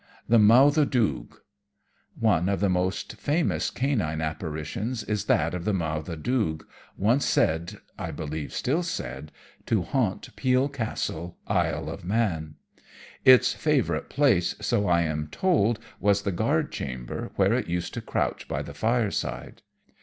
"The Mauthe Doog" One of the most famous canine apparitions is that of the "Mauthe Doog," once said and, I believe, still said to haunt Peel Castle, Isle of Man. Its favourite place, so I am told, was the guard chamber, where it used to crouch by the fireside.